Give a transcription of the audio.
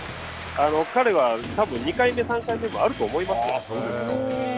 彼は多分２回目、３回目もあると思いますよ。